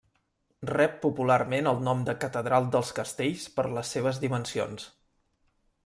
Rep popularment el nom de Catedral dels castells per les seves dimensions.